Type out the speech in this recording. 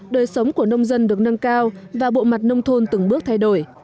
đời sống của nông dân được nâng cao và bộ mặt nông thôn từng bước thay đổi